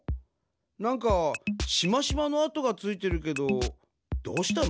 なんかしましまの跡がついてるけどどうしたの？